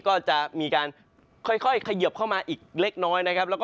ก็จะมีการค่อยเขยิบเข้ามาอีกเล็กน้อยนะครับ